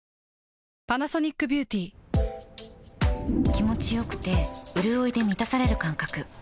気持ちよくてうるおいで満たされる感覚